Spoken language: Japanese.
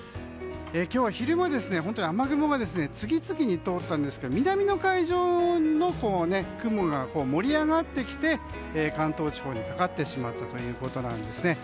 今日は昼間、雨雲が次々に通ったんですけど南の海上の雲が盛り上がってきて関東地方にかかってしまったということなんですね。